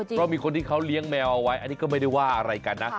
เพราะมีคนที่เขาเลี้ยงแมวเอาไว้อันนี้ก็ไม่ได้ว่าอะไรกันนะ